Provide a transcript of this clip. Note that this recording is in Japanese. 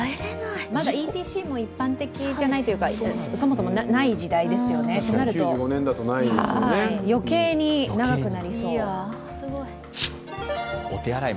まだＥＴＣも一般的じゃないというかそもそもない時代ですよね、となると余計に長くなりそう。